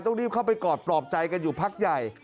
ต้องรีบเข้าไปกอดปลอบใจกันอยู่พักใหญ่